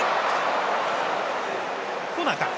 コーナーか。